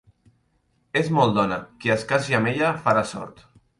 És molt dona: qui es casi amb ella farà sort!